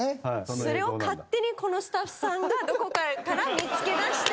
それを勝手にこのスタッフさんがどこかから見つけ出して。